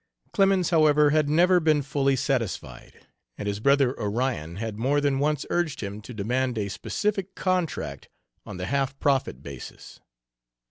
Clemens, however, had never been fully satisfied, and his brother Onion had more than once urged him to demand a specific contract on the half profit basis.